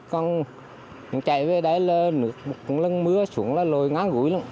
còn chạy về đây là một lần mưa xuống là lồi ngang gũi